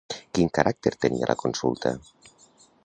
Quin caràcter tenia la consulta?